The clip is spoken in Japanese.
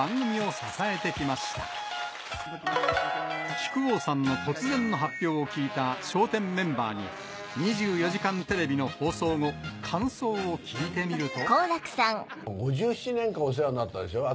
木久扇さんの突然の発表を聞いた笑点メンバーに『２４時間テレビ』の放送後感想を聞いてみると。